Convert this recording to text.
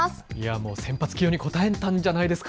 もう先発起用に応えたんじゃないですか。